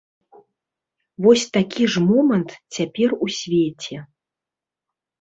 Вось такі ж момант цяпер у свеце.